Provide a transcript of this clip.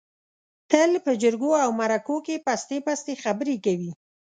تل په جرگو او مرکو کې پستې پستې خبرې کوي.